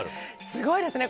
すごいですね。